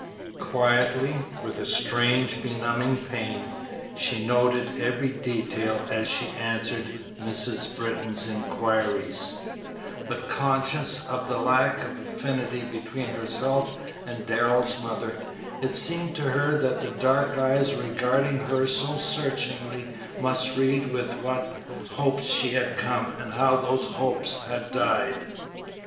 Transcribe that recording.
Quietly, with a strange, benumbing pain, she noted every detail as she answered Mrs. Britton's inquiries, but conscious of the lack of affinity between herself and Darrell's mother, it seemed to her that the dark eyes regarding her so searchingly must read with what hopes she had come, and how those hopes had died.